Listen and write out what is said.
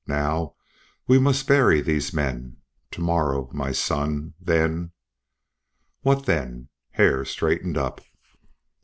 Now we must bury these men. To morrow my son. Then " "What then?" Hare straightened up.